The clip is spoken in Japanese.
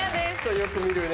よく見るね